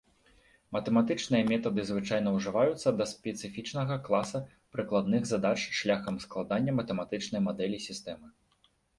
Матэматычныя метады звычайна ўжываюцца да спецыфічнага класа прыкладных задач шляхам складання матэматычнай мадэлі сістэмы.